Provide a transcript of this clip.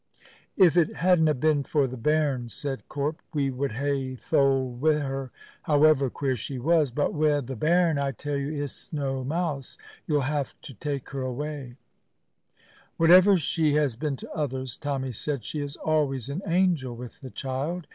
"If it hadna been for the bairn," said Corp, "we would hae tholed wi' her, however queer she was; but wi' the bairn I tell you it's no mous. You'll hae to tak' her awa'." "Whatever she has been to others," Tommy said, "she is always an angel with the child.